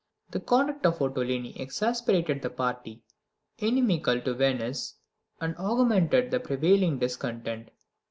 The conduct of Ottolini exasperated the party inimical to Venice, and augmented the prevailing discontent.